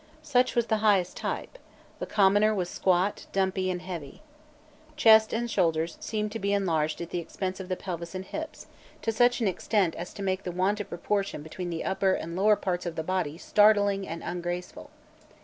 Such was the highest type; the commoner was squat, dumpy, and heavy. Chest and shoulders seem to be enlarged at the expense of the pelvis and the hips, to such an extent as to make the want of proportion between the upper and lower parts of the body startling and ungraceful.